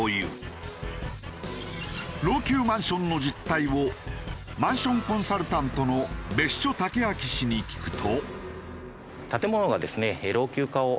老朽マンションの実態をマンションコンサルタントの別所毅謙氏に聞くと。